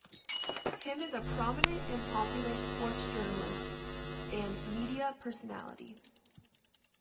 Tim is a prominent and popular sports journalist and media personality.